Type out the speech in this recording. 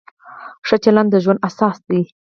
ښه چلند د ژوند اساس دی.